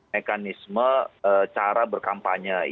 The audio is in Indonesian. mekanisme cara berkampanye